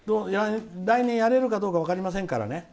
来年やれるかどうか分かりませんからね。